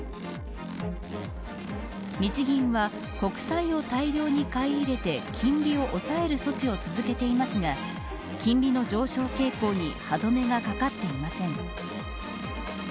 日銀は国債を大量に買い入れて金利を抑える措置を続けていますが金利の上昇傾向に歯止めがかかっていません。